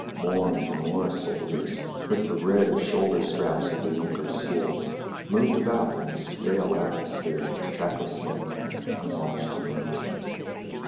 More and more soldiers, with the red shoulder straps of the yunker schools, moved about in a stale atmosphere of tobacco smoke and unwashed humanity.